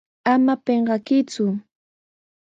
¡Ama pinqakuyku!